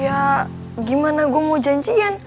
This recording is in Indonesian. ya gimana gue mau janjian